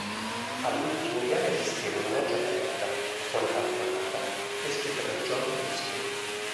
All'ultimo piano esisteva una loggia aperta, poi tamponata, descritta da John Ruskin.